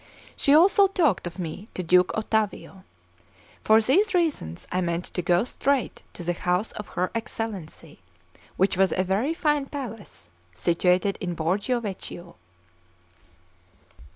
She also talked of me to Duke Ottavio. For these reasons I meant to go straight to the house of her Excellency, which was a very fine palace situated in Borgio Vecchio.